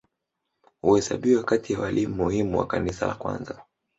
Huhesabiwa kati ya walimu muhimu wa Kanisa la kwanza.